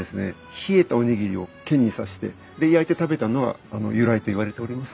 冷えたおにぎりを剣に刺してで焼いて食べたのが由来といわれております。